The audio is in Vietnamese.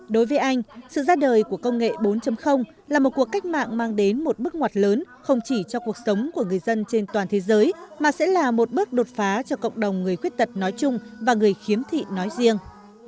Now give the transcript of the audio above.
đối với anh sự ra đời của công nghệ bốn là một cuộc cách mạng mang đến một bước ngoặt lớn không chỉ cho cuộc sống của người dân trên toàn thế giới mà sẽ là một bước đột phá cho cộng đồng người khuyết tật nói chung và người khiếm thị nói riêng